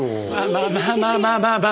まあまあまあまあまあまあ。